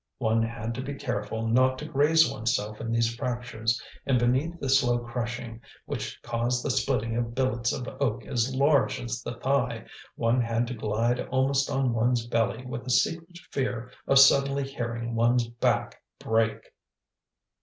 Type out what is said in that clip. One had to be careful not to graze oneself in these fractures; and beneath the slow crushing, which caused the splitting of billets of oak as large as the thigh, one had to glide almost on one's belly with a secret fear of suddenly hearing one's back break.